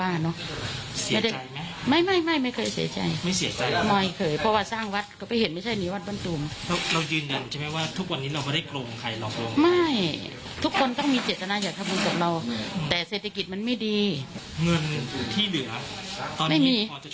ที่เหลือตอนนี้พอจะชดใช้เขาไหม